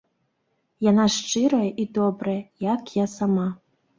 Яна ж шчырая і добрая, як я сама.